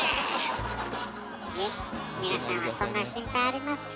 いえ皆さんはそんな心配ありません。